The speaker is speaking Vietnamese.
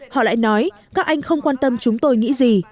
họ lại nói các anh không quan tâm chúng tôi nghĩ gì